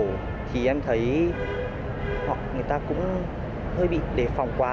thì em thấy hoặc người ta cũng hơi bị đề phòng quá